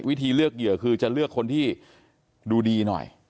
เลือกเหยื่อคือจะเลือกคนที่ดูดีหน่อย